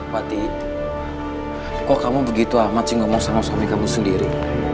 pati kok kamu begitu amat sih gak mau sama suami kamu sendiri